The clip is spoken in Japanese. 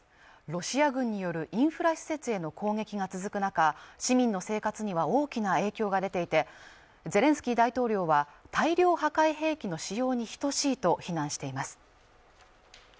ロシア軍によるインフラ施設への攻撃が続く中市民の生活には大きな影響が出ていてゼレンスキー大統領は大量破壊兵器の使用に等しいと非難しています